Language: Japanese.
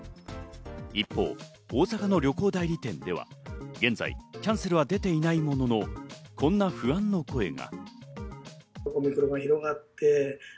一方、大阪の旅行代理店では現在キャンセルは出ていないものの、こんな不安の声が。